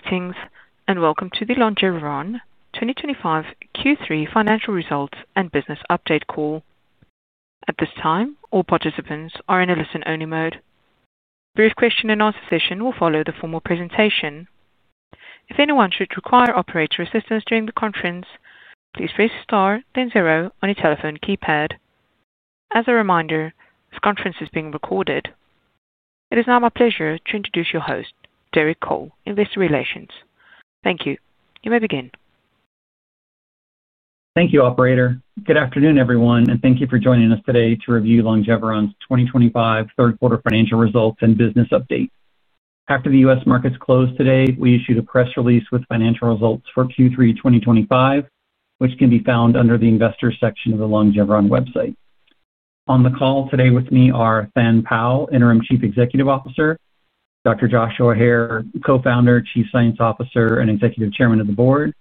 Greetings and welcome to the Longeveron 2025 Q3 Financial Results and Business Update call. At this time, all participants are in a listen-only mode. Brief question-and-answer session will follow the formal presentation. If anyone should require operator assistance during the conference, please press star then zero on your telephone keypad. As a reminder, this conference is being recorded. It is now my pleasure to introduce your host, Derek Cole, Investor Relations. Thank you. You may begin. Thank you, Operator. Good afternoon, everyone, and thank you for joining us today to review Longeveron's 2025 third-quarter financial results and business update. After the U.S. markets closed today, we issued a press release with financial results for Q3 2025, which can be found under the Investors section of the Longeveron website. On the call today with me are Thanh Pau, Interim Chief Executive Officer; Dr. Joshua Hare, Co-founder, Chief Science Officer, and Executive Chairman of the Board;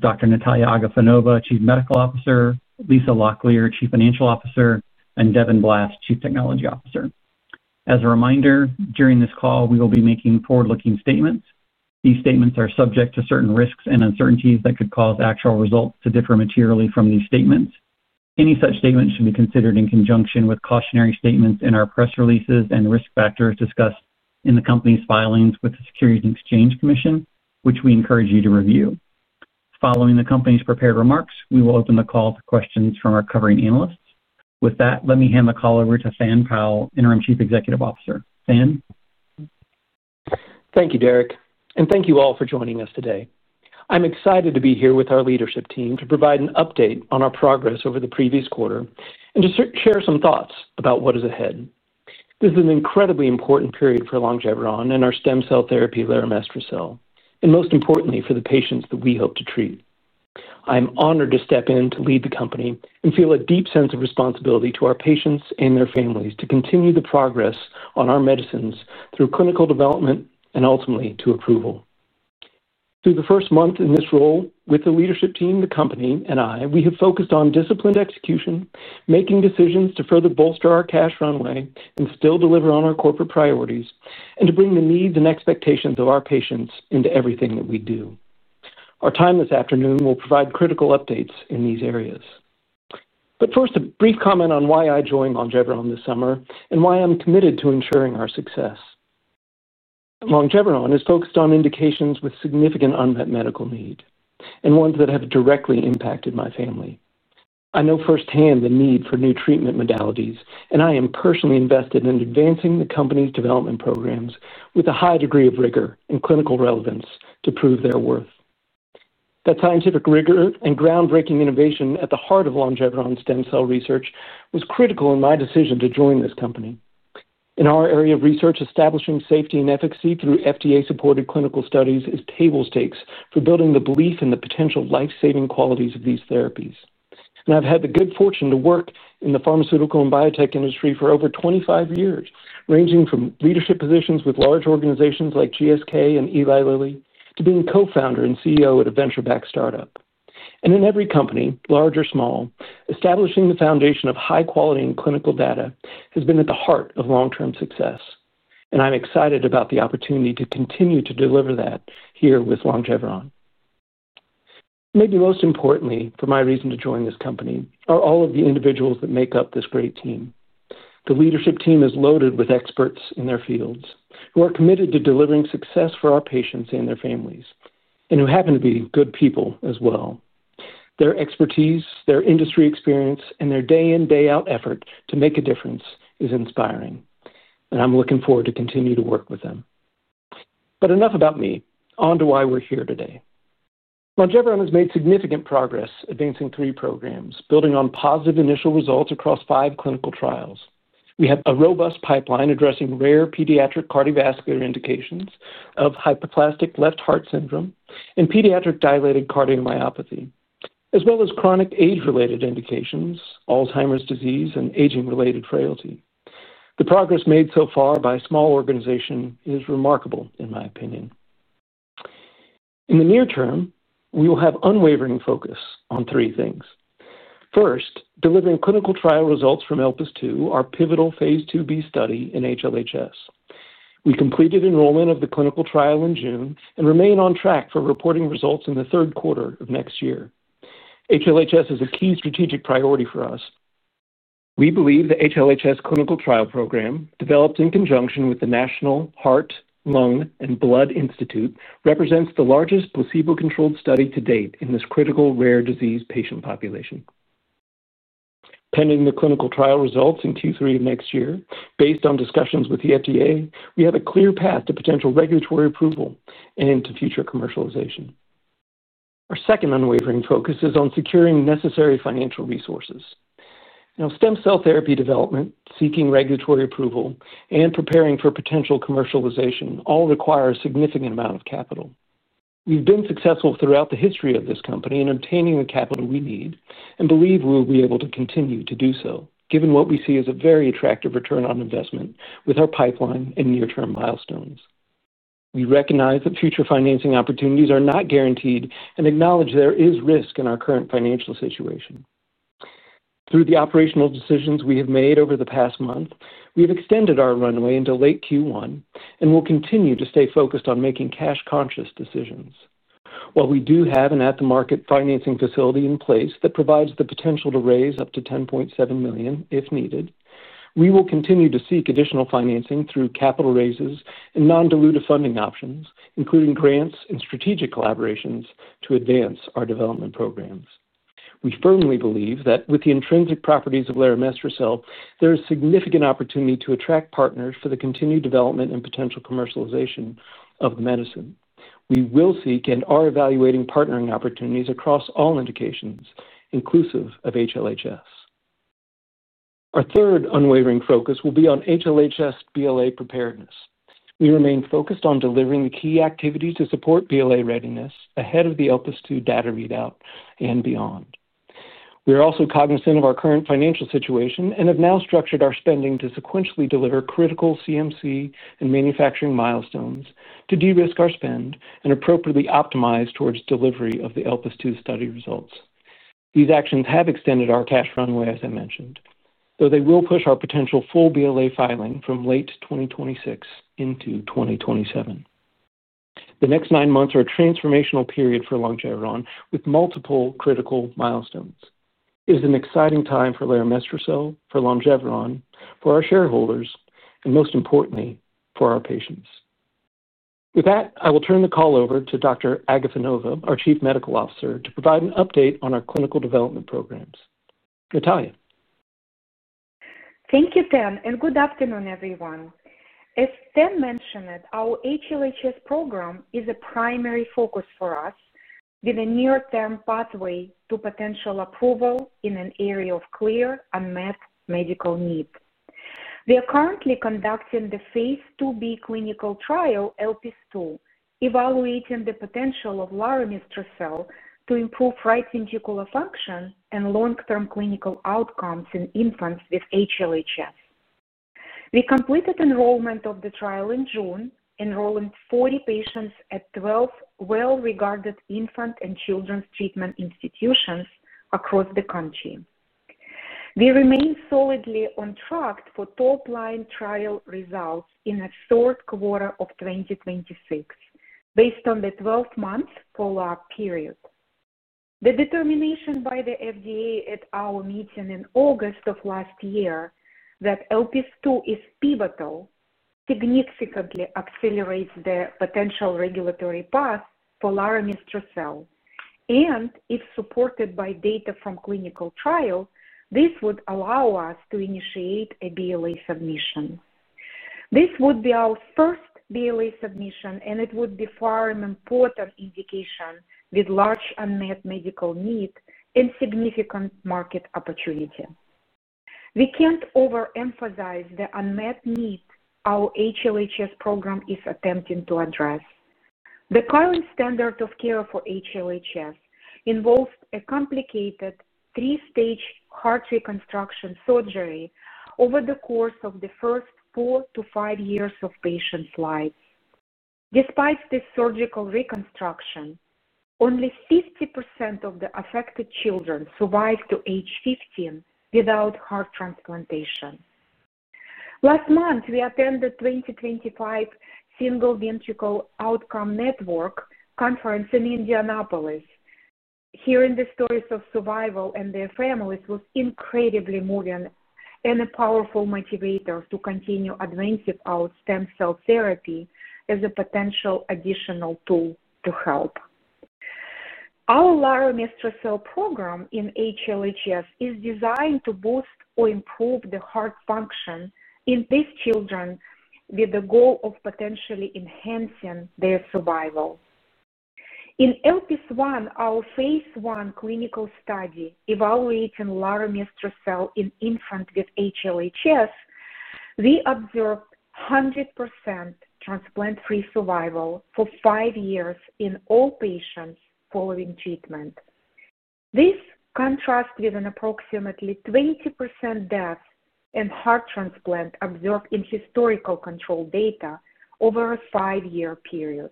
Dr. Nataliya Agafonova, Chief Medical Officer; Lisa Locklear, Chief Financial Officer; and Devin Blass, Chief Technology Officer. As a reminder, during this call, we will be making forward-looking statements. These statements are subject to certain risks and uncertainties that could cause actual results to differ materially from these statements. Any such statements should be considered in conjunction with cautionary statements in our press releases and risk factors discussed in the company's filings with the Securities and Exchange Commission, which we encourage you to review. Following the company's prepared remarks, we will open the call to questions from our covering analysts. With that, let me hand the call over to Thanh Pau, Interim Chief Executive Officer. Thanh. Thank you, Derek, and thank you all for joining us today. I'm excited to be here with our leadership team to provide an update on our progress over the previous quarter and to share some thoughts about what is ahead. This is an incredibly important period for Longeveron and our stem cell therapy, Laromestrocel, and most importantly, for the patients that we hope to treat. I am honored to step in to lead the company and feel a deep sense of responsibility to our patients and their families to continue the progress on our medicines through clinical development and ultimately to approval. Through the first month in this role with the leadership team, the company, and I, we have focused on disciplined execution, making decisions to further bolster our cash runway and still deliver on our corporate priorities, and to bring the needs and expectations of our patients into everything that we do. Our time this afternoon will provide critical updates in these areas. But first, a brief comment on why I joined Longeveron this summer and why I'm committed to ensuring our success. Longeveron is focused on indications with significant unmet medical need and ones that have directly impacted my family. I know firsthand the need for new treatment modalities, and I am personally invested in advancing the company's development programs with a high degree of rigor and clinical relevance to prove their worth. That scientific rigor and groundbreaking innovation at the heart of Longeveron stem cell research was critical in my decision to join this company. In our area of research, establishing safety and efficacy through FDA-supported clinical studies is table stakes for building the belief in the potential life-saving qualities of these therapies. And I've had the good fortune to work in the pharmaceutical and biotech industry for over 25 years, ranging from leadership positions with large organizations like GSK and Eli Lilly to being co-founder and CEO at a venture-backed startup. And in every company, large or small, establishing the foundation of high-quality and clinical data has been at the heart of long-term success. And I'm excited about the opportunity to continue to deliver that here with Longeveron. Maybe most importantly for my reason to join this company are all of the individuals that make up this great team. The leadership team is loaded with experts in their fields who are committed to delivering success for our patients and their families, and who happen to be good people as well. Their expertise, their industry experience, and their day-in and day-out effort to make a difference is inspiring, and I'm looking forward to continuing to work with them. But enough about me. On to why we're here today. Longeveron has made significant progress advancing three programs, building on positive initial results across five clinical trials. We have a robust pipeline addressing rare pediatric cardiovascular indications of hypoplastic left heart syndrome and pediatric dilated cardiomyopathy, as well as chronic age-related indications, Alzheimer's disease, and aging-related frailty. The progress made so far by a small organization is remarkable, in my opinion. In the near term, we will have unwavering focus on three things. First, delivering clinical trial results from ELPASO-2, our pivotal phase 2b study in HLHS. We completed enrollment of the clinical trial in June and remain on track for reporting results in the third quarter of next year. HLHS is a key strategic priority for us. We believe the HLHS clinical trial program, developed in conjunction with the National Heart, Lung, and Blood Institute, represents the largest placebo-controlled study to date in this critical rare disease patient population. Pending the clinical trial results in Q3 of next year, based on discussions with the FDA, we have a clear path to potential regulatory approval and to future commercialization. Our second unwavering focus is on securing necessary financial resources. Now, stem cell therapy development, seeking regulatory approval, and preparing for potential commercialization all require a significant amount of capital. We've been successful throughout the history of this company in obtaining the capital we need and believe we will be able to continue to do so, given what we see as a very attractive return on investment with our pipeline and near-term milestones. We recognize that future financing opportunities are not guaranteed and acknowledge there is risk in our current financial situation. Through the operational decisions we have made over the past month, we have extended our runway into late Q1 and will continue to stay focused on making cash-conscious decisions. While we do have an at-the-market financing facility in place that provides the potential to raise up to $10.7 million if needed, we will continue to seek additional financing through capital raises and non-dilutive funding options, including grants and strategic collaborations to advance our development programs. We firmly believe that with the intrinsic properties of Laromestrocel, there is significant opportunity to attract partners for the continued development and potential commercialization of the medicine. We will seek and are evaluating partnering opportunities across all indications, inclusive of HLHS. Our third unwavering focus will be on HLHS BLA preparedness. We remain focused on delivering the key activities to support BLA readiness ahead of the ELPASO-2 data readout and beyond. We are also cognizant of our current financial situation and have now structured our spending to sequentially deliver critical CMC and manufacturing milestones to de-risk our spend and appropriately optimize towards delivery of the ELPASO-2 study results. These actions have extended our cash runway, as I mentioned, though they will push our potential full BLA filing from late 2026 into 2027. The next nine months are a transformational period for Longeveron, with multiple critical milestones. It is an exciting time for Laromestrocel, for Longeveron, for our shareholders, and most importantly, for our patients. With that, I will turn the call over to Dr. Agafonova, our Chief Medical Officer, to provide an update on our clinical development programs. Nataliya. Thank you, Thanh, and good afternoon, everyone. As Thanh mentioned, our HLHS program is a primary focus for us, with a near-term pathway to potential approval in an area of clear unmet medical need. We are currently conducting the phase 2b clinical trial, ELPASO-2, evaluating the potential of Laromestrocel to improve right ventricular function and long-term clinical outcomes in infants with HLHS. We completed enrollment of the trial in June, enrolling 40 patients at 12 well-regarded infant and children's treatment institutions across the country. We remain solidly on track for top-line trial results in the third quarter of 2026, based on the 12-month follow-up period. The determination by the FDA at our meeting in August of last year that ELPASO-2 is pivotal significantly accelerates the potential regulatory path for Laromestrocel, and if supported by data from clinical trial, this would allow us to initiate a BLA submission. This would be our first BLA submission, and it would be a far more important indication with large unmet medical needs and significant market opportunity. We can't overemphasize the unmet need our HLHS program is attempting to address. The current standard of care for HLHS involves a complicated three-stage heart reconstruction surgery over the course of the first four to five years of patients' lives. Despite this surgical reconstruction, only 50% of the affected children survive to age 15 without heart transplantation. Last month, we attended the 2025 Single Ventricle Outcome Network conference in Indianapolis. Hearing the stories of survival and their families was incredibly moving and a powerful motivator to continue advancing our stem cell therapy as a potential additional tool to help. Our Laromestrocel program in HLHS is designed to boost or improve the heart function in these children with the goal of potentially enhancing their survival. In ELPASO-1, our phase 1 clinical study evaluating Laromestrocel in infants with HLHS, we observed 100% transplant-free survival for five years in all patients following treatment. This contrasts with an approximately 20% death and heart transplant observed in historical control data over a five-year period.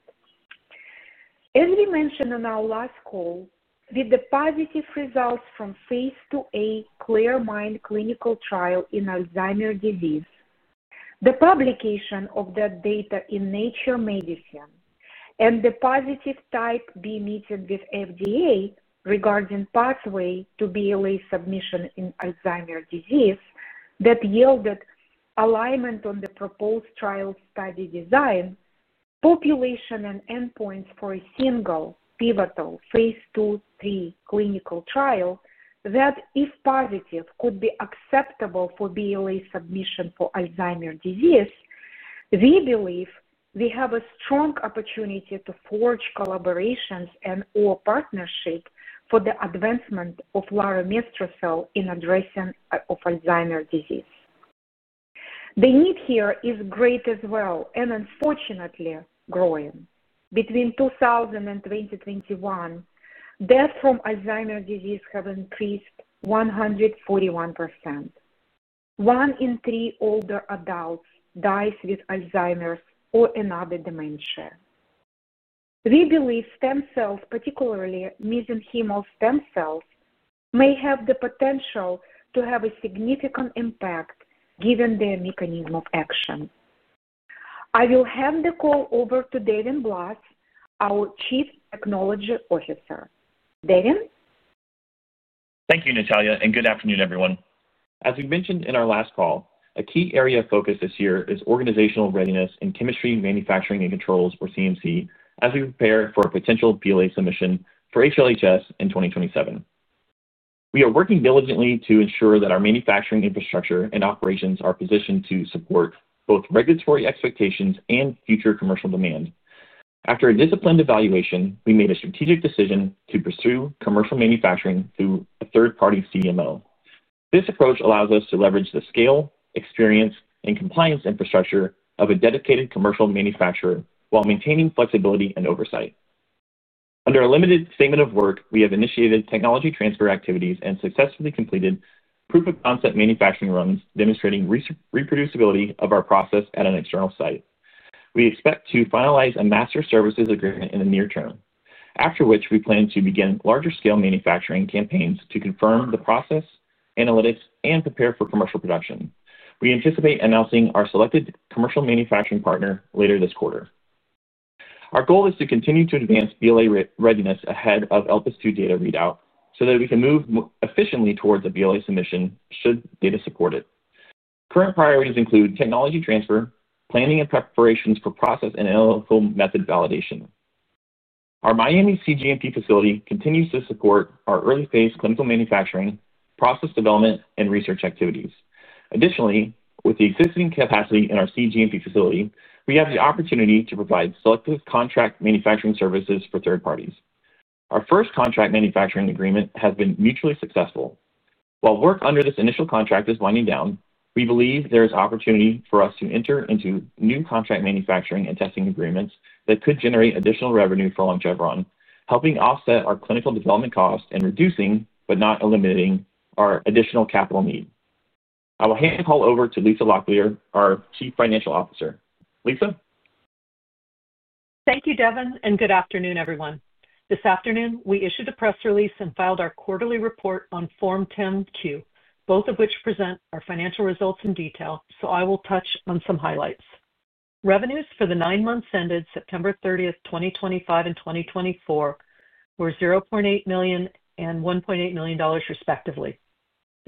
As we mentioned on our last call, with the positive results from phase 2a CLEAR MIND clinical trial in Alzheimer's disease, the publication of that data in Nature Medicine, and the positive Type B meeting with FDA regarding the pathway to BLA submission in Alzheimer's disease that yielded alignment on the proposed trial study design, population and endpoints for a single pivotal phase 2/3 clinical trial that, if positive, could be acceptable for BLA submission for Alzheimer's disease, we believe we have a strong opportunity to forge collaborations and/or partnerships for the advancement of Laromestrocel in the addressing of Alzheimer's disease. The need here is great as well and unfortunately growing. Between 2000 and 2021, deaths from Alzheimer's disease have increased by 141%. One in three older adults dies with Alzheimer's or another dementia. We believe stem cells, particularly mesenchymal stem cells, may have the potential to have a significant impact given their mechanism of action. I will hand the call over to Devin Blass, our Chief Technology Officer. Devin. Thank you, Nataliya, and good afternoon, everyone. As we mentioned in our last call, a key area of focus this year is organizational readiness in chemistry, manufacturing, and controls, or CMC, as we prepare for a potential BLA submission for HLHS in 2027. We are working diligently to ensure that our manufacturing infrastructure and operations are positioned to support both regulatory expectations and future commercial demand. After a disciplined evaluation, we made a strategic decision to pursue commercial manufacturing through a third-party CMO. This approach allows us to leverage the scale, experience, and compliance infrastructure of a dedicated commercial manufacturer while maintaining flexibility and oversight. Under a limited statement of work, we have initiated technology transfer activities and successfully completed proof-of-concept manufacturing runs demonstrating reproducibility of our process at an external site. We expect to finalize a master services agreement in the near term, after which we plan to begin larger-scale manufacturing campaigns to confirm the process, analytics, and prepare for commercial production. We anticipate announcing our selected commercial manufacturing partner later this quarter. Our goal is to continue to advance BLA readiness ahead of ELPASO-2 data readout so that we can move efficiently towards a BLA submission should data support it. Current priorities include technology transfer, planning, and preparations for process and analytical method validation. Our Miami cGMP facility continues to support our early-phase clinical manufacturing, process development, and research activities. Additionally, with the existing capacity in our cGMP facility, we have the opportunity to provide selective contract manufacturing services for third parties. Our first contract manufacturing agreement has been mutually successful. While work under this initial contract is winding down, we believe there is opportunity for us to enter into new contract manufacturing and testing agreements that could generate additional revenue for Longeveron, helping offset our clinical development costs and reducing but not eliminating our additional capital need. I will hand the call over to Lisa Locklear, our Chief Financial Officer. Lisa. Thank you, Devin, and good afternoon, everyone. This afternoon, we issued a press release and filed our quarterly report on Form 10-Q, both of which present our financial results in detail, so I will touch on some highlights. Revenues for the nine months ended September 30, 2025, and 2024 were $0.8 million and $1.8 million, respectively.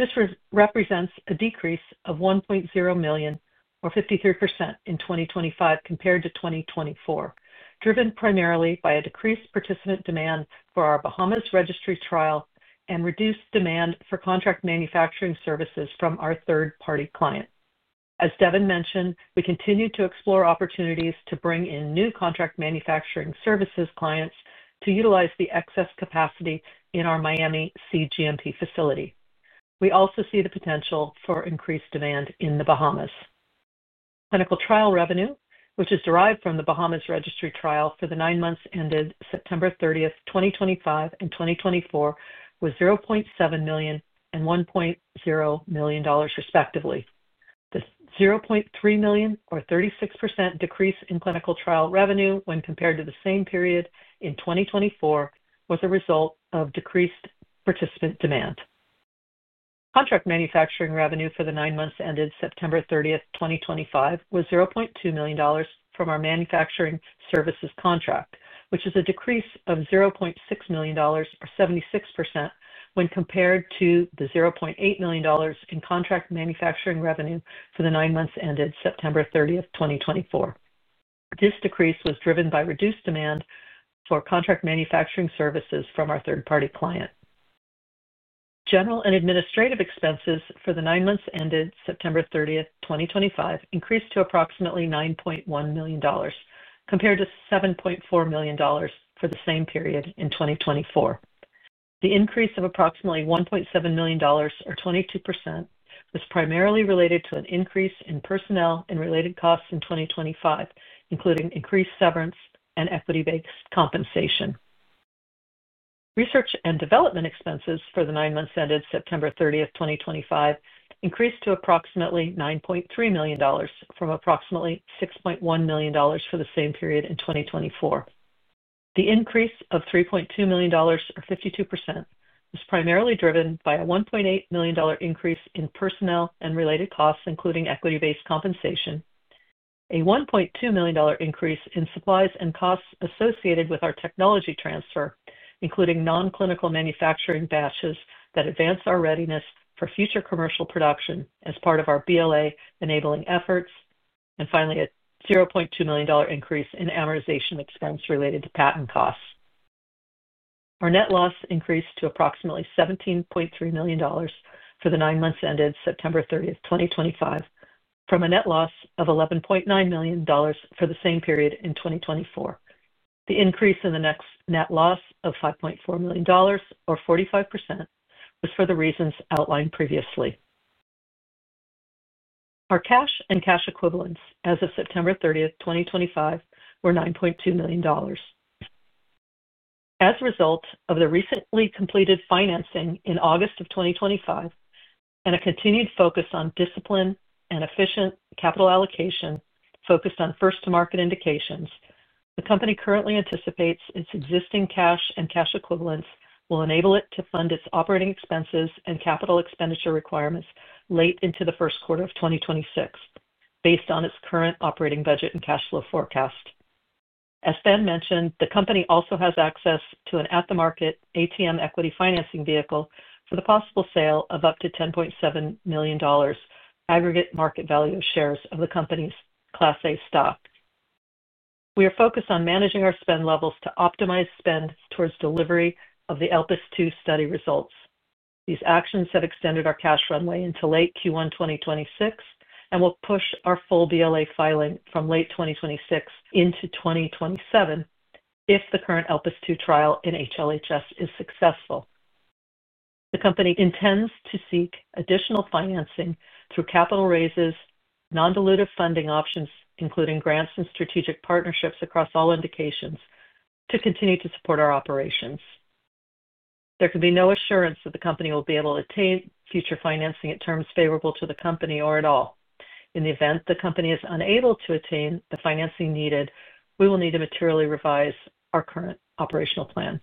This represents a decrease of $1.0 million, or 53%, in 2025 compared to 2024, driven primarily by a decreased participant demand for our Bahamas registry trial and reduced demand for contract manufacturing services from our third-party client. As Devin mentioned, we continue to explore opportunities to bring in new contract manufacturing services clients to utilize the excess capacity in our Miami cGMP facility. We also see the potential for increased demand in the Bahamas. Clinical trial revenue, which is derived from the Bahamas registry trial for the nine months ended September 30, 2025, and 2024, was $0.7 million and $1.0 million, respectively. The $0.3 million, or 36%, decrease in clinical trial revenue when compared to the same period in 2024 was a result of decreased participant demand. Contract manufacturing revenue for the nine months ended September 30, 2025, was $0.2 million from our manufacturing services contract, which is a decrease of $0.6 million, or 76%, when compared to the $0.8 million in contract manufacturing revenue for the nine months ended September 30, 2024. This decrease was driven by reduced demand for contract manufacturing services from our third-party client. General and administrative expenses for the nine months ended September 30, 2025, increased to approximately $9.1 million, compared to $7.4 million for the same period in 2024. The increase of approximately $1.7 million, or 22%, was primarily related to an increase in personnel and related costs in 2025, including increased severance and equity-based compensation. Research and development expenses for the nine months ended September 30, 2025, increased to approximately $9.3 million from approximately $6.1 million for the same period in 2024. The increase of $3.2 million, or 52%, was primarily driven by a $1.8 million increase in personnel and related costs, including equity-based compensation, a $1.2 million increase in supplies and costs associated with our technology transfer, including non-clinical manufacturing batches that advance our readiness for future commercial production as part of our BLA enabling efforts, and finally, a $0.2 million increase in amortization expense related to patent costs. Our net loss increased to approximately $17.3 million for the nine months ended September 30, 2025, from a net loss of $11.9 million for the same period in 2024. The increase in the net loss of $5.4 million, or 45%, was for the reasons outlined previously. Our cash and cash equivalents as of September 30, 2025, were $9.2 million. As a result of the recently completed financing in August of 2025 and a continued focus on discipline and efficient capital allocation focused on first-to-market indications, the company currently anticipates its existing cash and cash equivalents will enable it to fund its operating expenses and capital expenditure requirements late into the first quarter of 2026, based on its current operating budget and cash flow forecast. As Ben mentioned, the company also has access to an at-the-market ATM equity financing vehicle for the possible sale of up to $10.7 million aggregate market value of shares of the company's Class A stock. We are focused on managing our spend levels to optimize spend towards delivery of the ELPASO-2 study results. These actions have extended our cash runway into late Q1 2026 and will push our full BLA filing from late 2026 into 2027 if the current ELPASO-2 trial in HLHS is successful. The company intends to seek additional financing through capital raises, non-dilutive funding options, including grants and strategic partnerships across all indications, to continue to support our operations. There can be no assurance that the company will be able to attain future financing at terms favorable to the company or at all. In the event the company is unable to attain the financing needed, we will need to materially revise our current operational plan.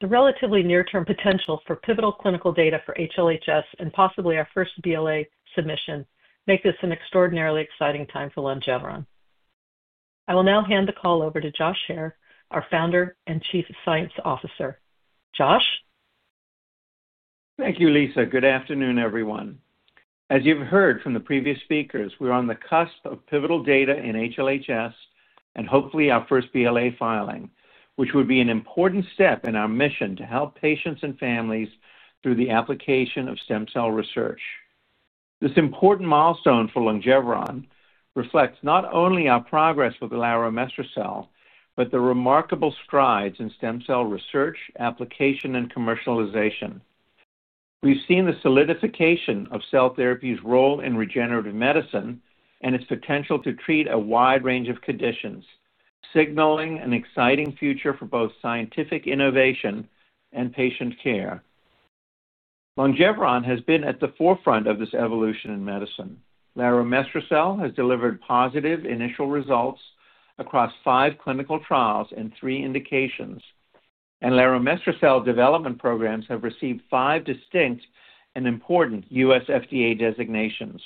The relatively near-term potential for pivotal clinical data for HLHS and possibly our first BLA submission make this an extraordinarily exciting time for Longeveron. I will now hand the call over to Josh Hare, our founder and Chief Science Officer. Josh. Thank you, Lisa. Good afternoon, everyone. As you've heard from the previous speakers, we're on the cusp of pivotal data in HLHS and hopefully our first BLA filing, which would be an important step in our mission to help patients and families through the application of stem cell research. This important milestone for Longeveron reflects not only our progress with the Laromestrocel, but the remarkable strides in stem cell research, application, and commercialization. We've seen the solidification of cell therapy's role in regenerative medicine and its potential to treat a wide range of conditions, signaling an exciting future for both scientific innovation and patient care. Longeveron has been at the forefront of this evolution in medicine. Laromestrocel has delivered positive initial results across five clinical trials and three indications, and Laromestrocel development programs have received five distinct and important U.S. FDA designations.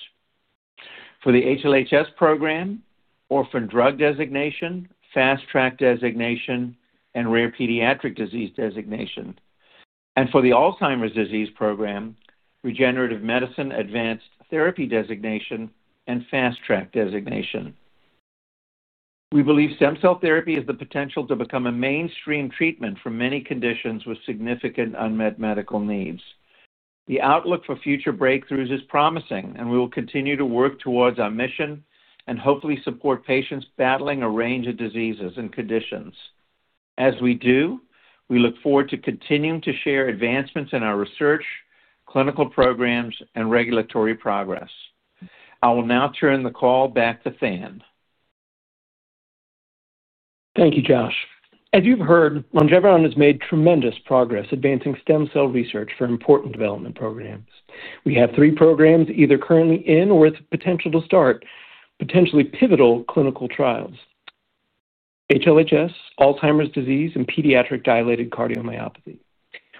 For the HLHS program: Orphan drug designation, fast track designation, and rare pediatric disease designation, and for the Alzheimer's disease program, regenerative medicine advanced therapy designation and fast track designation. We believe stem cell therapy is the potential to become a mainstream treatment for many conditions with significant unmet medical needs. The outlook for future breakthroughs is promising, and we will continue to work towards our mission and hopefully support patients battling a range of diseases and conditions. As we do, we look forward to continuing to share advancements in our research, clinical programs, and regulatory progress. I will now turn the call back to Thanh. Thank you, Josh. As you've heard, Longeveron has made tremendous progress advancing stem cell research for important development programs. We have three programs either currently in or with the potential to start potentially pivotal clinical trials. HLHS, Alzheimer's disease, and pediatric dilated cardiomyopathy.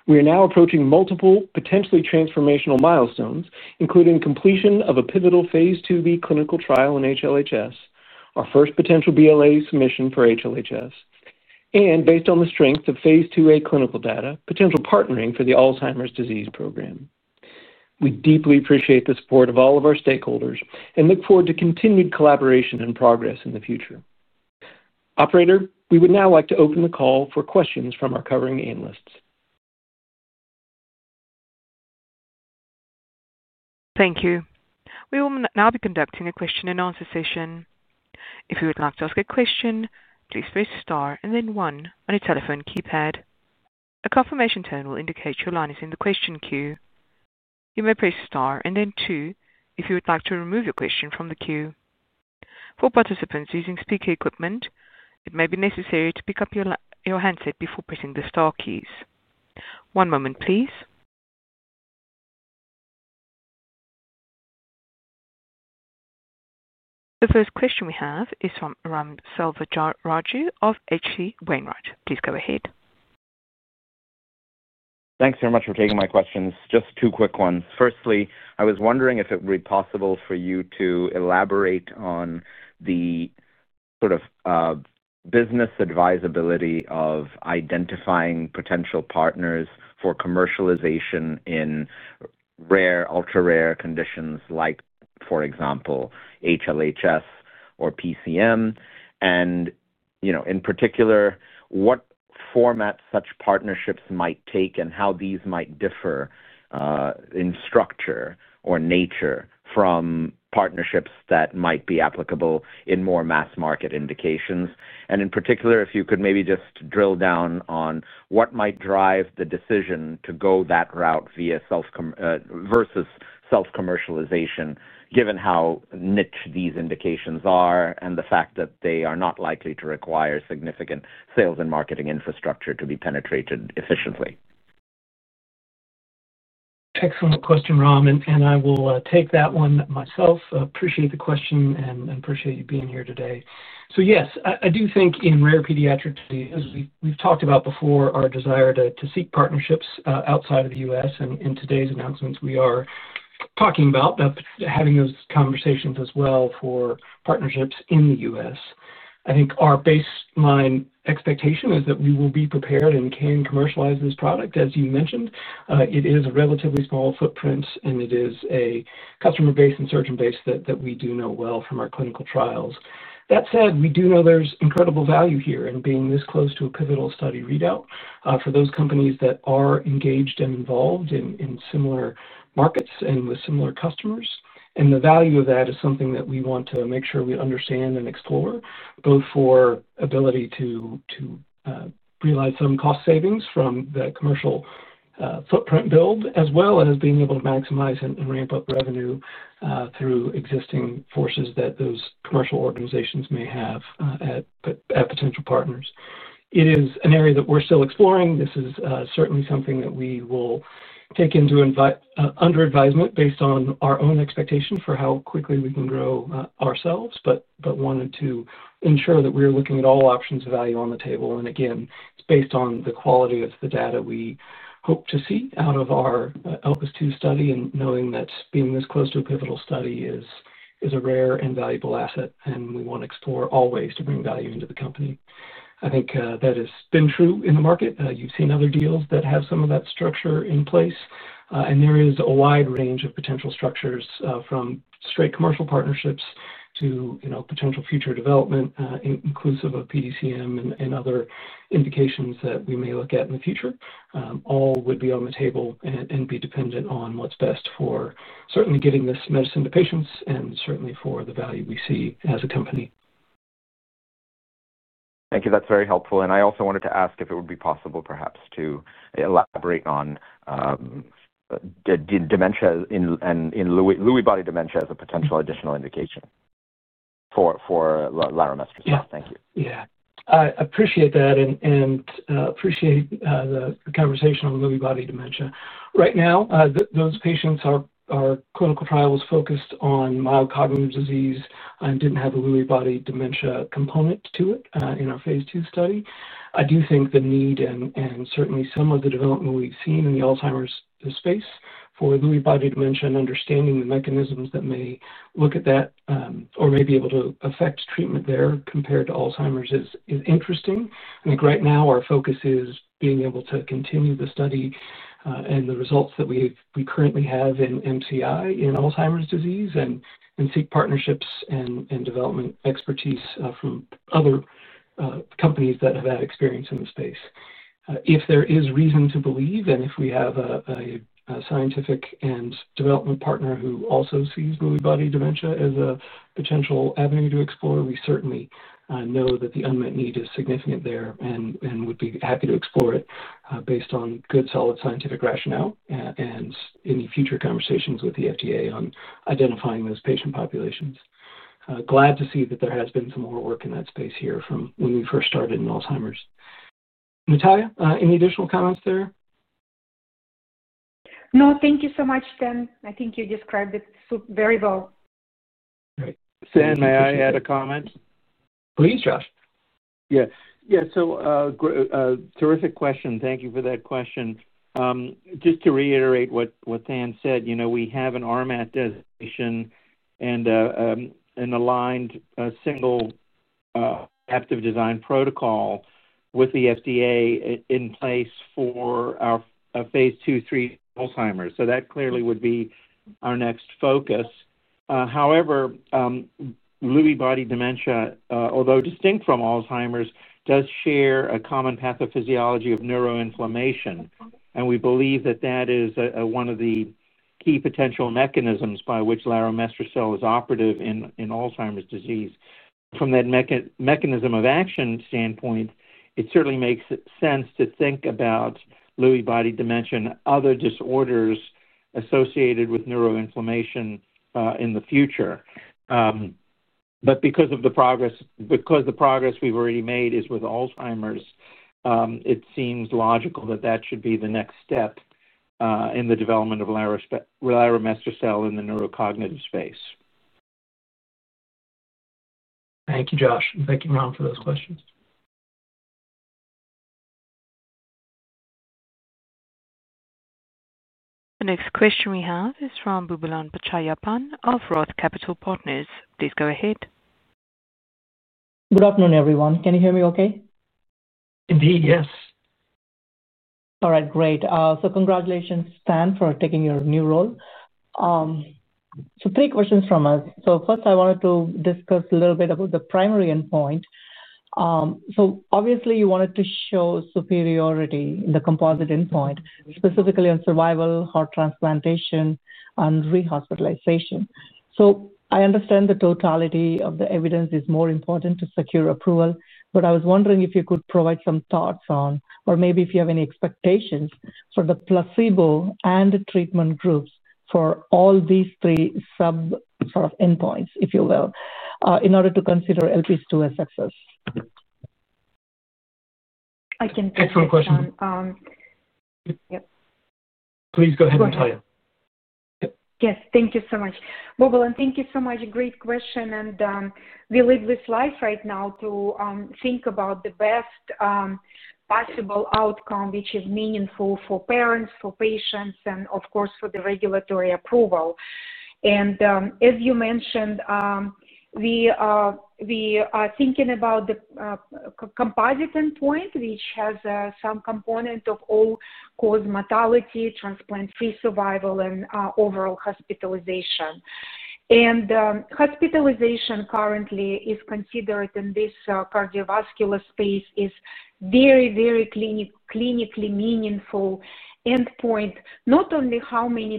We are now approaching multiple potentially transformational milestones, including completion of a pivotal phase 2b clinical trial in HLHS, our first potential BLA submission for HLHS, and based on the strength of phase 2a clinical data, potential partnering for the Alzheimer's disease program. We deeply appreciate the support of all of our stakeholders and look forward to continued collaboration and progress in the future. Operator, we would now like to open the call for questions from our covering analysts. Thank you. We will now be conducting a question-and-answer session. If you would like to ask a question, please press star and then one on your telephone keypad. A confirmation tone will indicate your line is in the question queue. You may press star and then two if you would like to remove your question from the queue. For participants using speaker equipment, it may be necessary to pick up your handset before pressing the star keys. One moment, please. The first question we have is from Ram Selvaraju of H.C. Wainwright. Please go ahead. Thanks very much for taking my questions. Just two quick ones. Firstly, I was wondering if it would be possible for you to elaborate on the sort of business advisability of identifying potential partners for commercialization in rare, ultra-rare conditions like, for example, HLHS or PCM, and in particular what format such partnerships might take and how these might differ in structure or nature from partnerships that might be applicable in more mass-market indications, and in particular, if you could maybe just drill down on what might drive the decision to go that route versus self-commercialization, given how niche these indications are and the fact that they are not likely to require significant sales and marketing infrastructure to be penetrated efficiently. Excellent question, Ram, and I will take that one myself. Appreciate the question and appreciate you being here today, so yes, I do think in rare pediatric disease, as we've talked about before, our desire to seek partnerships outside of the U.S., and in today's announcements, we are talking about having those conversations as well for partnerships in the U.S. I think our baseline expectation is that we will be prepared and can commercialize this product. As you mentioned, it is a relatively small footprint, and it is a customer base and surgeon base that we do know well from our clinical trials. That said, we do know there's incredible value here in being this close to a pivotal study readout for those companies that are engaged and involved in similar markets and with similar customers, and the value of that is something that we want to make sure we understand and explore, both for ability to realize some cost savings from the commercial footprint build, as well as being able to maximize and ramp up revenue through existing sales forces that those commercial organizations may have at potential partners. It is an area that we're still exploring. This is certainly something that we will take under advisement based on our own expectation for how quickly we can grow ourselves, but wanted to ensure that we're looking at all options of value on the table, and again, it's based on the quality of the data we hope to see out of our ELPASO-2 study and knowing that being this close to a pivotal study is a rare and valuable asset, and we want to explore all ways to bring value into the company. I think that has been true in the market. You've seen other deals that have some of that structure in place, and there is a wide range of potential structures from straight commercial partnerships to potential future development, inclusive of PDCM and other indications that we may look at in the future. All would be on the table and be dependent on what's best for certainly getting this medicine to patients and certainly for the value we see as a company. Thank you. That's very helpful, and I also wanted to ask if it would be possible, perhaps, to elaborate on dementia and Lewy body dementia as a potential additional indication for Laramestrocel. Thank you. Yeah. I appreciate that and appreciate the conversation on Lewy body dementia. Right now, those patients are clinical trials focused on mild cognitive disease and didn't have a Lewy body dementia component to it in our phase 2 study. I do think the need and certainly some of the development we've seen in the Alzheimer's space for Lewy body dementia and understanding the mechanisms that may look at that or may be able to affect treatment there compared to Alzheimer's is interesting. I think right now our focus is being able to continue the study and the results that we currently have in MCI in Alzheimer's disease and seek partnerships and development expertise from other companies that have had experience in the space. If there is reason to believe and if we have a scientific and development partner who also sees Lewy body dementia as a potential avenue to explore, we certainly know that the unmet need is significant there and would be happy to explore it based on good solid scientific rationale and any future conversations with the FDA on identifying those patient populations. Glad to see that there has been some more work in that space here from when we first started in Alzheimer's. Nataliya, any additional comments there? No, thank you so much, Thanh. I think you described it very well. Thanh, may I add a comment? Please, Josh. Yeah. Yeah. So, a terrific question. Thank you for that question. Just to reiterate what Thanh said, we have an RMAT designation and an aligned single adaptive design protocol with the FDA in place for our phase 2/3 Alzheimer's, so that clearly would be our next focus. However, Lewy body dementia, although distinct from Alzheimer's, does share a common pathophysiology of neuroinflammation, and we believe that that is one of the key potential mechanisms by which Laromestrocel is operative in Alzheimer's disease. From that mechanism of action standpoint, it certainly makes sense to think about Lewy body dementia and other disorders associated with neuroinflammation in the future, but because the progress we've already made is with Alzheimer's, it seems logical that that should be the next step in the development of Laromestrocel in the neurocognitive space. Thank you, Josh, and thank you, Ram, for those questions. The next question we have is from Boobalan Pachaiyappan of ROTH Capital Partners. Please go ahead. Good afternoon, everyone. Can you hear me okay? Indeed, yes. All right. Great. So congratulations, Thanh, for taking your new role. So three questions from us. So first, I wanted to discuss a little bit about the primary endpoint. So obviously, you wanted to show superiority in the composite endpoint, specifically on survival, heart transplantation, and rehospitalization. So I understand the totality of the evidence is more important to secure approval, but I was wondering if you could provide some thoughts on, or maybe if you have any expectations for the placebo and treatment groups for all these three sub-sort of endpoints, if you will, in order to consider ELPASO-2 as success? I can take this one. Excellent question. Please go ahead, Nataliya. Yes. Thank you so much. Boobalan, thank you so much. Great question, and we live this life right now to think about the best possible outcome, which is meaningful for parents, for patients, and of course, for the regulatory approval. And as you mentioned, we are thinking about the composite endpoint, which has some component of all-cause mortality, transplant-free survival, and overall hospitalization. And hospitalization currently is considered in this cardiovascular space is very, very clinically meaningful endpoint, not only how many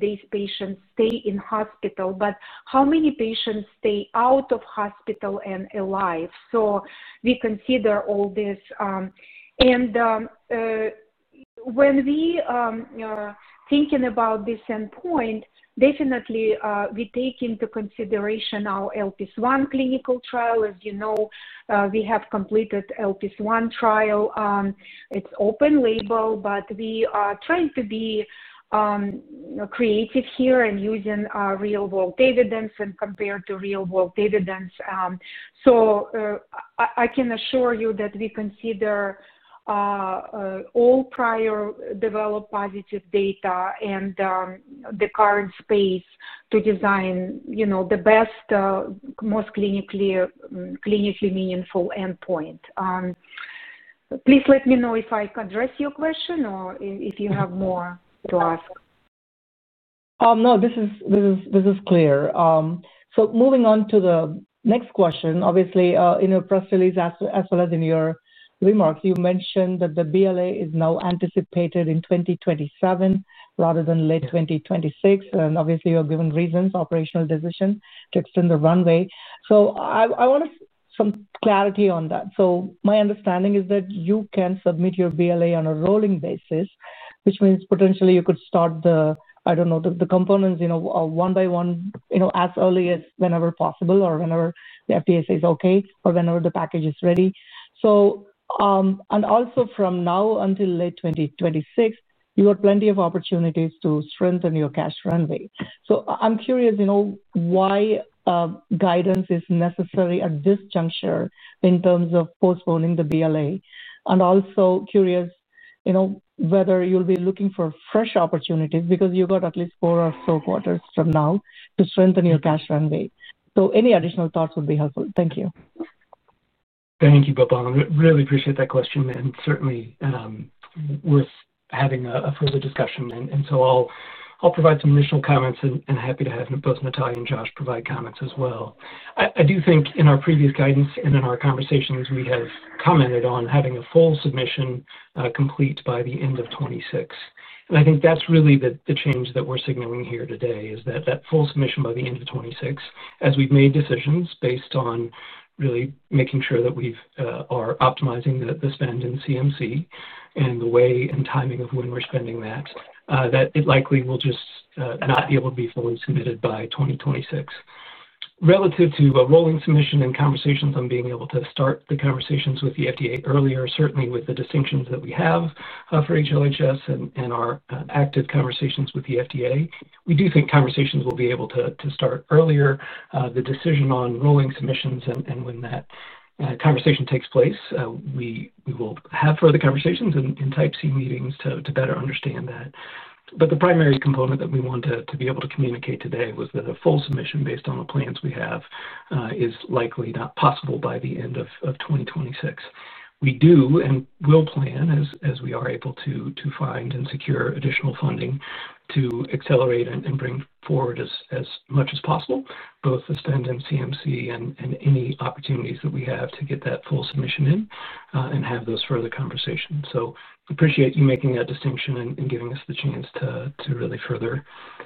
days patients stay in hospital, but how many patients stay out of hospital and alive. So we consider all this. And when we think about this endpoint, definitely we take into consideration our ELPASO-1 clinical trial. As you know, we have completed ELPASO-1 trial. It's open-label, but we are trying to be creative here and using real-world evidence and compare to real-world evidence. So I can assure you that we consider all prior developed positive data and the current space to design the best most clinically meaningful endpoint. Please let me know if I addressed your question or if you have more to ask. No, this is clear. So moving on to the next question, obviously, in your press release as well as in your remarks, you mentioned that the BLA is now anticipated in 2027 rather than late 2026. And obviously, you have given reasons, operational decision to extend the runway. So I want some clarity on that. So my understanding is that you can submit your BLA on a rolling basis, which means potentially you could start the, I don't know, the components one by one as early as whenever possible or whenever the FDA says okay or whenever the package is ready. So. And also from now until late 2026, you have plenty of opportunities to strengthen your cash runway. So I'm curious why guidance is necessary at this juncture in terms of postponing the BLA? And also curious whether you'll be looking for fresh opportunities because you've got at least four or so quarters from now to strengthen your cash runway. So any additional thoughts would be helpful. Thank you. Thank you, Boobalan. I really appreciate that question, and certainly worth having a further discussion. So I'll provide some initial comments and happy to have both Nataliya and Josh provide comments as well. I do think in our previous guidance and in our conversations, we have commented on having a full submission complete by the end of 2026. I think that's really the change that we're signaling here today is that that full submission by the end of 2026, as we've made decisions based on really making sure that we are optimizing the spend in CMC and the way and timing of when we're spending that, that it likely will just not be able to be fully submitted by 2026. Relative to a rolling submission and conversations on being able to start the conversations with the FDA earlier, certainly with the distinctions that we have for HLHS and our active conversations with the FDA, we do think conversations will be able to start earlier. The decision on rolling submissions. When that conversation takes place, we will have further conversations in Type C meetings to better understand that. The primary component that we want to be able to communicate today was that a full submission based on the plans we have is likely not possible by the end of 2026. We do and will plan as we are able to find and secure additional funding to accelerate and bring forward as much as possible, both spend in CMC and any opportunities that we have to get that full submission in and have those further conversations. I appreciate you making that distinction and giving us the chance to really further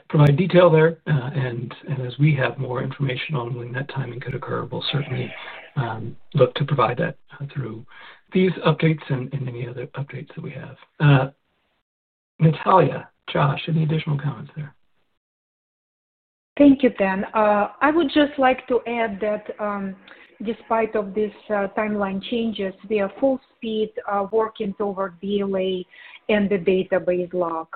provide detail there. As we have more information on when that timing could occur, we'll certainly look to provide that through these updates and any other updates that we have. Nataliya, Josh, any additional comments there? Thank you, Thanh. I would just like to add that. Despite these timeline changes, we are full-speed working toward BLA and the database lock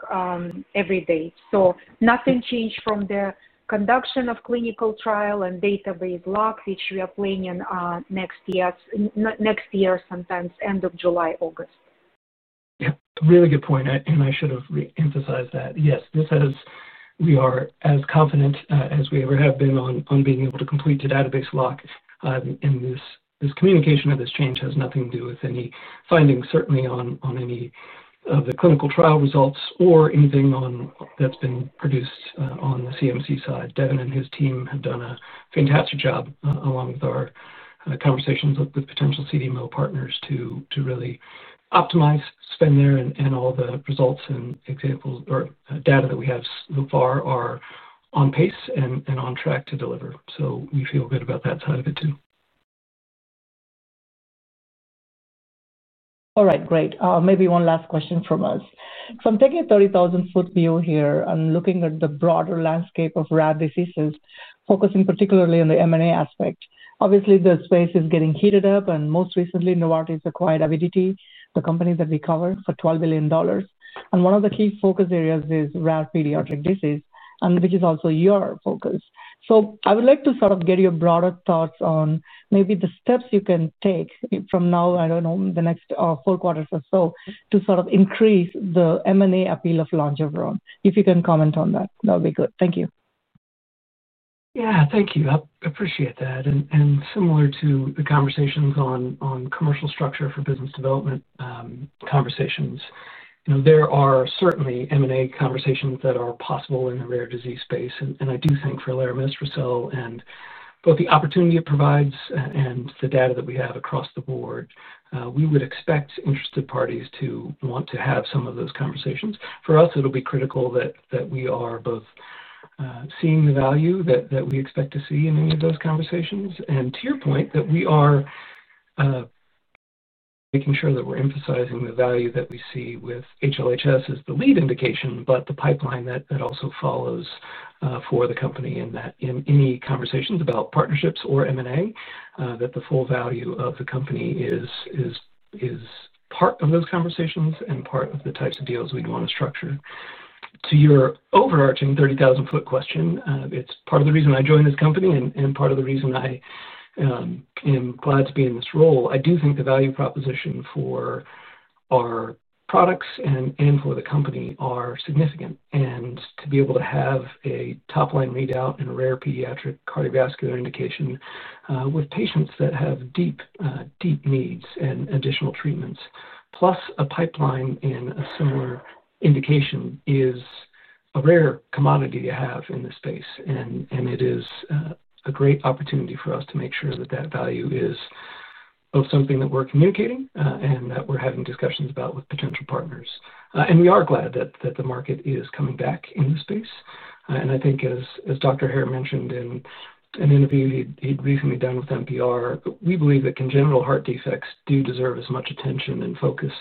every day. So nothing changed from the conduct of clinical trial and database lock, which we are planning next year, sometime end of July, August. Yeah. Really good point. And I should have emphasized that. Yes. We are as confident as we ever have been on being able to complete the database lock. And this communication of this change has nothing to do with any findings, certainly on any of the clinical trial results or anything that's been produced on the CMC side. Devin and his team have done a fantastic job along with our conversations with potential CDMO partners to really optimize spend there and all the results and examples or data that we have so far are on pace and on track to deliver. So we feel good about that side of it too. All right. Great. Maybe one last question from us, so I'm taking a 30,000-foot view here and looking at the broader landscape of rare diseases, focusing particularly on the M&A aspect. Obviously, the space is getting heated up, and most recently, Novartis acquired Avidity, the company that we cover for $12 billion. And one of the key focus areas is rare pediatric disease, which is also your focus. So I would like to sort of get your broader thoughts on maybe the steps you can take from now, I don't know, the next four quarters or so, to sort of increase the M&A appeal of Longeveron. If you can comment on that, that would be good. Thank you. Yeah. Thank you. I appreciate that. And similar to the conversations on commercial structure for business development conversations, there are certainly M&A conversations that are possible in the rare disease space. And I do think for Laromestrocel and both the opportunity it provides and the data that we have across the board, we would expect interested parties to want to have some of those conversations. For us, it'll be critical that we are both seeing the value that we expect to see in any of those conversations. And to your point, that we are making sure that we're emphasizing the value that we see with HLHS is the lead indication, but the pipeline that also follows for the company in any conversations about partnerships or M&A, that the full value of the company is part of those conversations and part of the types of deals we'd want to structure. To your overarching 30,000-foot question, it's part of the reason I joined this company and part of the reason I am glad to be in this role. I do think the value proposition for our products and for the company are significant. And to be able to have a top-line readout in a rare pediatric cardiovascular indication with patients that have deep needs and additional treatments, plus a pipeline in a similar indication is a rare commodity to have in this space. And it is a great opportunity for us to make sure that that value is both something that we're communicating and that we're having discussions about with potential partners. And we are glad that the market is coming back in this space. And I think, as Dr. Hare mentioned in an interview he'd recently done with NPR, we believe that congenital heart defects do deserve as much attention and focus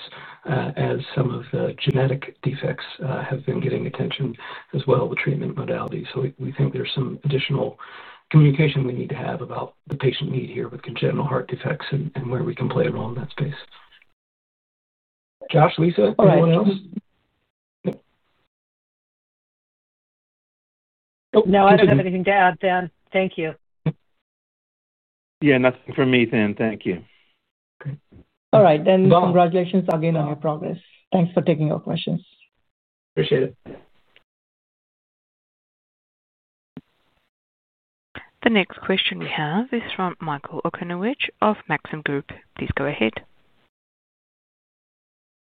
as some of the genetic defects have been getting attention as well, the treatment modalities. So we think there's some additional communication we need to have about the patient need here with congenital heart defects and where we can play a role in that space. Josh, Lisa, anyone else? No, I don't have anything to add, Thanh. Thank you. Yeah. Nothing from me, Thanh. Thank you. Great. All right. Then congratulations again on your progress. Thanks for taking our questions. Appreciate it. The next question we have is from Michael Okunewitch of Maxim Group. Please go ahead.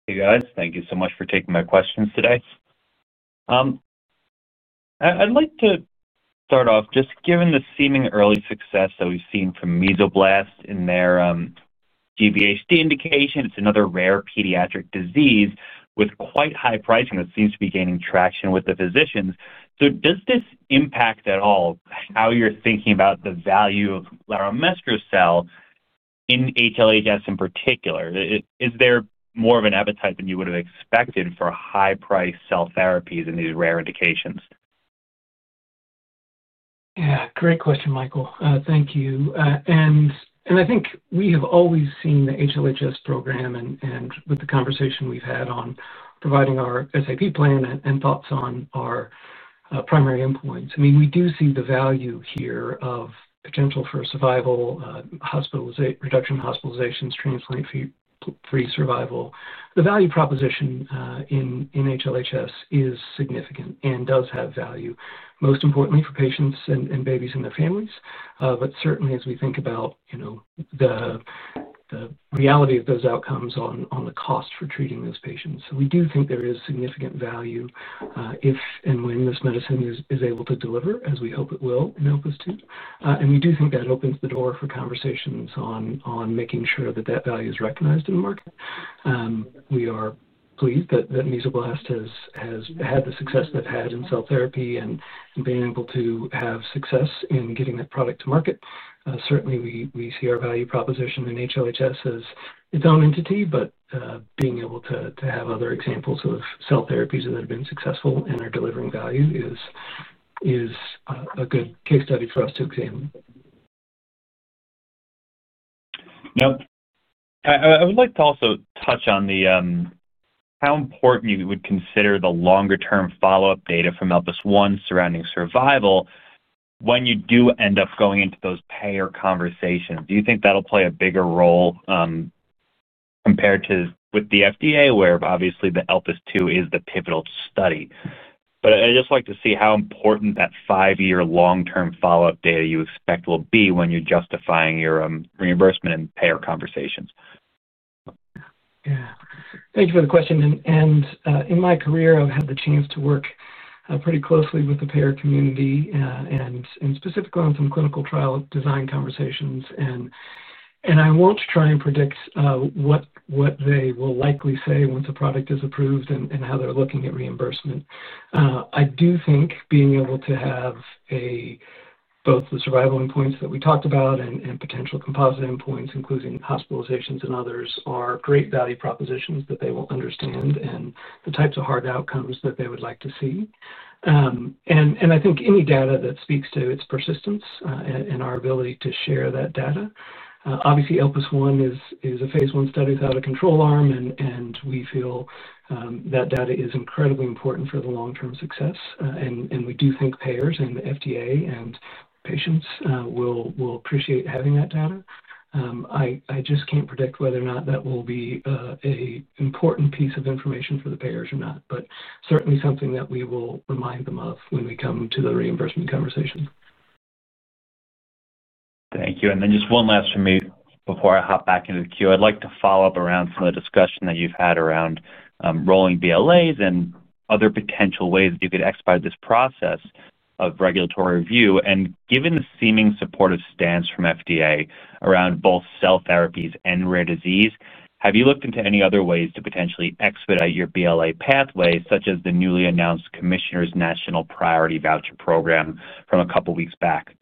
Hey, guys. Thank you so much for taking my questions today. I'd like to start off just given the seeming early success that we've seen from Mesoblast in their GVHD indication. It's another rare pediatric disease with quite high pricing that seems to be gaining traction with the physicians. So does this impact at all how you're thinking about the value of Laramestrocel in HLHS in particular? Is there more of an appetite than you would have expected for high-priced cell therapies in these rare indications? Yeah. Great question, Michael. Thank you. And I think we have always seen the HLHS program and with the conversation we've had on providing our SAP plan and thoughts on our primary endpoints. I mean, we do see the value here of potential for survival, reduction of hospitalizations, transplant-free survival. The value proposition in HLHS is significant and does have value, most importantly for patients and babies and their families. But certainly, as we think about the reality of those outcomes on the cost for treating those patients. So we do think there is significant value if and when this medicine is able to deliver, as we hope it will and hope us to. And we do think that opens the door for conversations on making sure that that value is recognized in the market. We are pleased that Mesoblast has had the success they've had in cell therapy and been able to have success in getting that product to market. Certainly, we see our value proposition in HLHS as its own entity, but being able to have other examples of cell therapies that have been successful and are delivering value is a good case study for us to examine. Yep. I would like to also touch on how important you would consider the longer-term follow-up data from ELPASO-1 surrounding survival when you do end up going into those payer conversations. Do you think that'll play a bigger role compared to with the FDA, where obviously the ELPASO-2 is the pivotal study? But I just like to see how important that five-year long-term follow-up data you expect will be when you're justifying your reimbursement and payer conversations. Yeah. Thank you for the question. And in my career, I've had the chance to work pretty closely with the payer community and specifically on some clinical trial design conversations. And I won't try and predict what they will likely say once a product is approved and how they're looking at reimbursement. I do think being able to have both the survival endpoints that we talked about and potential composite endpoints, including hospitalizations and others, are great value propositions that they will understand and the types of hard outcomes that they would like to see. And I think any data that speaks to its persistence and our ability to share that data. Obviously, ELPASO-1 is a phase one study without a control arm, and we feel that data is incredibly important for the long-term success. And we do think payers and the FDA and patients will appreciate having that data. I just can't predict whether or not that will be an important piece of information for the payers or not, but certainly something that we will remind them of when we come to the reimbursement conversation. Thank you. And then just one last from me before I hop back into the queue. I'd like to follow up around some of the discussion that you've had around rolling BLAs and other potential ways that you could expedite this process of regulatory review. And given the seeming supportive stance from FDA around both cell therapies and rare disease, have you looked into any other ways to potentially expedite your BLA pathway, such as the newly announced Commissioner's National Priority Voucher Program from a couple of weeks back?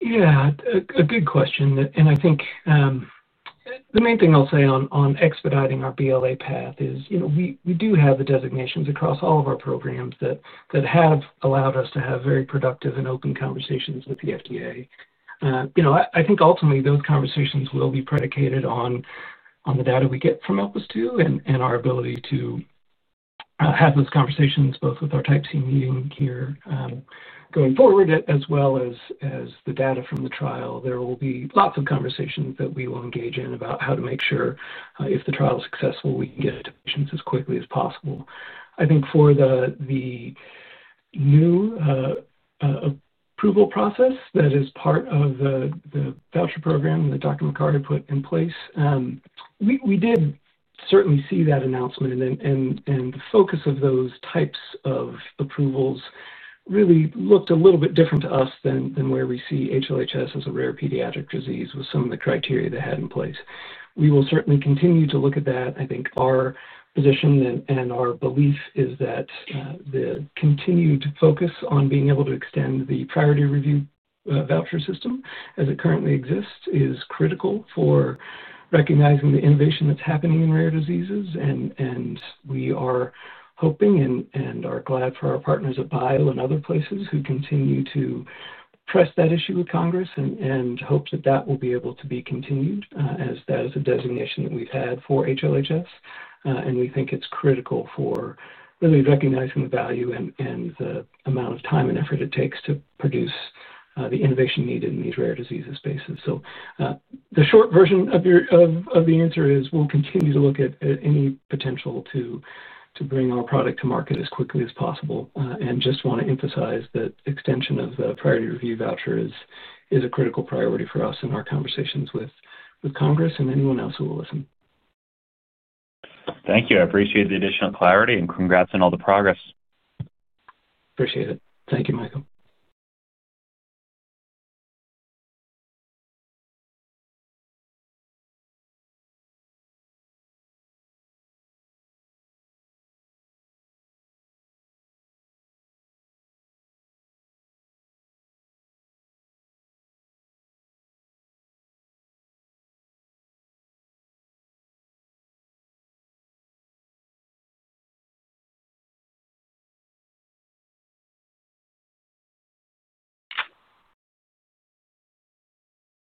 Yeah. A good question, and I think the main thing I'll say on expediting our BLA path is we do have the designations across all of our programs that have allowed us to have very productive and open conversations with the FDA. I think ultimately, those conversations will be predicated on the data we get from ELPASO-2 and our ability to have those conversations both with our Type C meeting here going forward, as well as the data from the trial. There will be lots of conversations that we will engage in about how to make sure if the trial is successful, we can get it to patients as quickly as possible. I think for the new approval process that is part of the voucher program that Dr. McCarthy put in place, we did certainly see that announcement, and the focus of those types of approvals really looked a little bit different to us than where we see HLHS as a rare pediatric disease with some of the criteria they had in place. We will certainly continue to look at that. I think our position and our belief is that the continued focus on being able to extend the priority review voucher system as it currently exists is critical for recognizing the innovation that's happening in rare diseases, and we are hoping and are glad for our partners at BIO and other places who continue to press that issue with Congress and hope that that will be able to be continued as that is a designation that we've had for HLHS, and we think it's critical for really recognizing the value and the amount of time and effort it takes to produce the innovation needed in these rare diseases spaces. So the short version of the answer is we'll continue to look at any potential to bring our product to market as quickly as possible, and just want to emphasize that extension of the priority review voucher is a critical priority for us in our conversations with Congress and anyone else who will listen. Thank you. I appreciate the additional clarity and congrats on all the progress. Appreciate it. Thank you, Michael.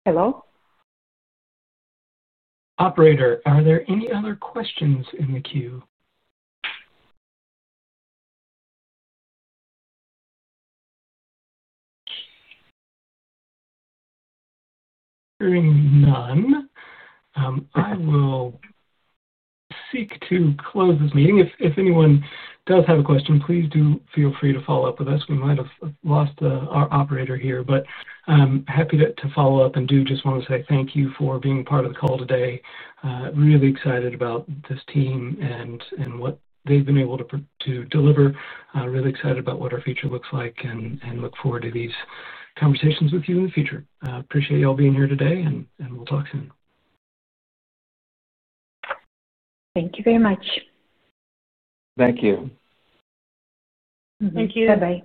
Hello? Operator, are there any other questions in the queue? Hearing none. I will seek to close this meeting. If anyone does have a question, please do feel free to follow up with us. We might have lost our operator here, but I'm happy to follow up and do just want to say thank you for being part of the call today. Really excited about this team and what they've been able to deliver. Really excited about what our future looks like and look forward to these conversations with you in the future. Appreciate y'all being here today, and we'll talk soon. Thank you very much. Thank you. Thank you. Bye-bye.